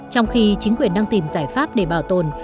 trong khi chính quyền đang tìm giải pháp để bảo tồn